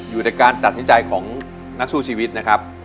อยู่ในการตัดสินใจของนักสู้ชีวิตนะครับ